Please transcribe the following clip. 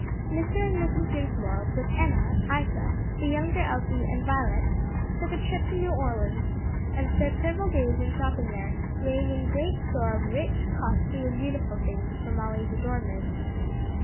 Mr. and Mrs. Dinsmore, with Enna, Isa, the younger Elsie and Violet, took a trip to New Orleans and spent several days in shopping there, laying in great store of rich, costly and beautiful things for Molly's adornment.